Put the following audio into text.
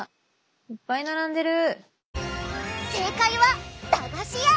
いっぱい並んでる。